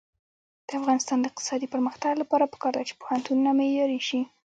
د افغانستان د اقتصادي پرمختګ لپاره پکار ده چې پوهنتونونه معیاري شي.